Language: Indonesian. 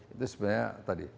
itu sebenarnya tadi